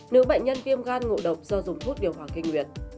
nữ bệnh nhân viêm gan ngộ độc do dùng thuốc điều hòa kinh nguyệt